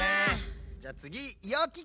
じゃあつぎよき子！